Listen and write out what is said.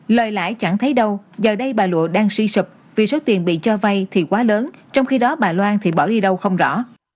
lời lãi chẳng thấy đâu giờ đây bà lụa đang suy sụp vì số tiền bị cho vay thì quá lớn trong khi đó bà loan thì bỏ đi đâu không rõ